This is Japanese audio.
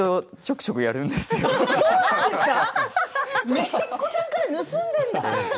めいっ子さんから盗んでんだ。